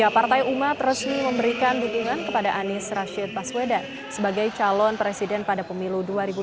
partai umat resmi memberikan dukungan kepada anies rashid baswedan sebagai calon presiden pada pemilu dua ribu dua puluh